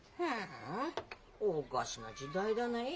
おかしな時代だない。